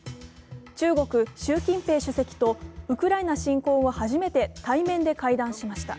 中国・習近平国家主席とウクライナ侵攻後初めて対面で会談しました。